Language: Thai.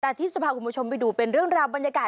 แต่ที่จะพาคุณผู้ชมไปดูเป็นเรื่องราวบรรยากาศ